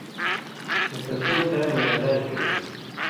کِھیں تَسیں ٹائم لا علاج کرِگ۔